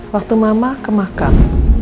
waktu mama ke makam